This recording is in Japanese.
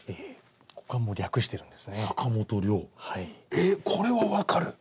えっこれは分かる！